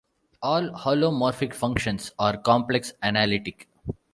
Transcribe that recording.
All holomorphic functions are complex-analytic.